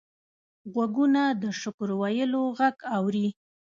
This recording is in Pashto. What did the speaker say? غوږونه د شکر ویلو غږ اوري